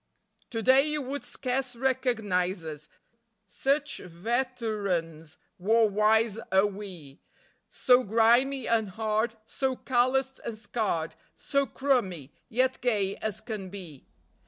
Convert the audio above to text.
_ To day you would scarce recognise us, Such veterans war wise are we; So grimy and hard, so calloused and scarred, So "crummy", yet gay as can be.